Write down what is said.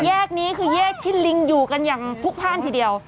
แยกนี้คือแยกที่ลิงอยู่กันอย่างพลุกพ่านทีเดียว